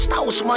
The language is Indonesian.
eh takut pak